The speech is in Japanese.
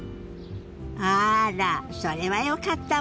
あらそれはよかったわね！